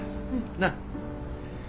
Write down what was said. なっ。